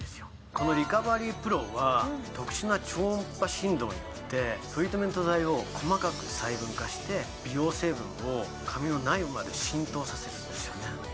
このリカバリープロは特殊な超音波振動によってトリートメント剤を細かく細分化して美容成分を髪の内部まで浸透させるんですよね